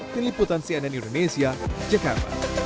keliputan cnn indonesia ckm